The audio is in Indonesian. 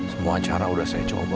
semua cara udah saya coba